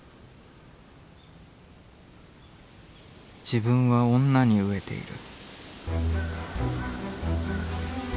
「自分は女に餓えている」。